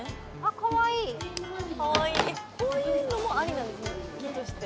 かわいいこういうのもありなんですね